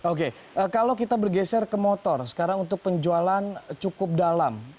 oke kalau kita bergeser ke motor sekarang untuk penjualan cukup dalam